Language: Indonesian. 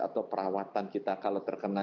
atau perawatan kita kalau terkena